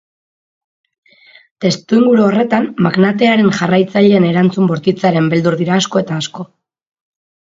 Testuinguru horretan, magnatearen jarraitzaileen erantzun bortitzaren beldur dira asko eta asko.